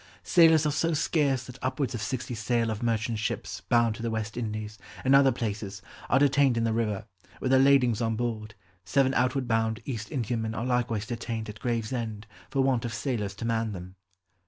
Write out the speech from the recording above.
"Sailors are so scarce that upwards of sixty sail of merchant's ships bound to the West Indies, and other places, are detained in the river, with their ladings on board; seven outward bound East Indiamen are likewise detained at Gravesend, for want of sailors to man them."